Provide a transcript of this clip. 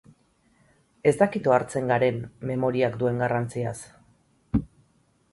Ez dakit ohartzen garen memoriak duen garrantziaz.